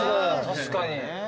確かに。